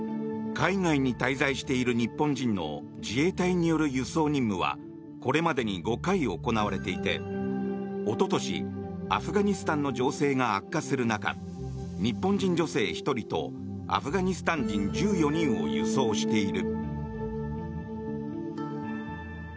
海外に滞在している日本人の自衛隊による輸送任務はこれまでに５回行われていておととし、アフガニスタンの情勢が悪化する中日本人女性１人とアフガニスタン人１４人を輸送している。